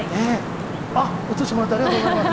あっ、映してもらってありがとうございます。